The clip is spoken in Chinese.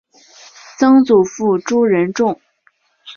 曾祖父朱仁仲。